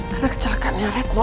karena kecelakaannya retno